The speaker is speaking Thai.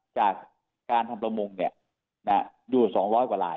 จากการทำระมงเนี่ยดูหมายไป๒๐๐ลาย